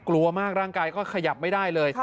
กลัวมากร่างกายก็ขยับไม่ได้เลย